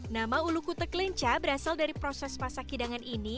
nama ulu kutek lenca berasal dari proses masak hidangan ini